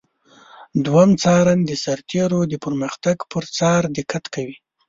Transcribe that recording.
دوهم څارن د سرتیرو د پرمختګ پر څار دقت کوي.